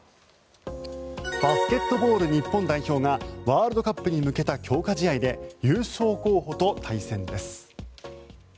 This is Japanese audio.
バスケットボール日本代表がワールドカップに向けた強化試合で優勝候補と対戦です。